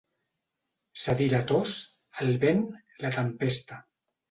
Cedir la tos, el vent, la tempesta.